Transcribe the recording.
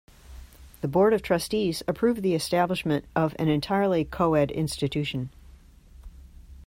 The Board of Trustees approved the establishment of an entirely co-ed institution.